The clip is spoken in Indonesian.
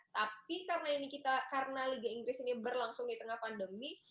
tapi karena ini kita karena liga inggris ini berlangsung di tengah pandemi